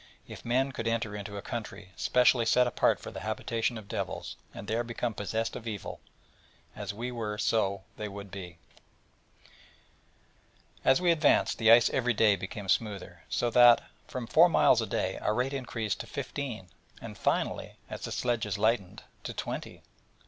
If men could enter into a country specially set apart for the habitation of devils, and there become possessed of evil, as we were so would they be. As we advanced, the ice every day became smoother; so that, from four miles a day, our rate increased to fifteen, and finally (as the sledges lightened) to twenty.